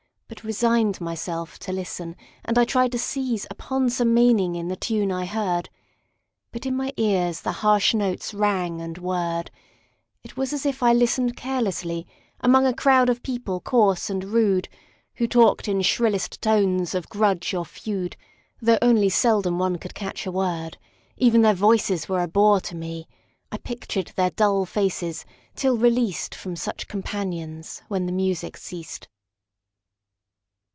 but resigned Myself to listen, and I tried to seize Upon some meaning in the tune I heard. But in my ears the harsh notes rang and whirred; It was as if I listened carelessly Among a crowd of people coarse and rude, Who talked in shrillest tones of grudge or feud, Though only seldom one could catch a word. Even their voices were a bore to me; I pictured their dull faces, till released From such companions, when the music ceased.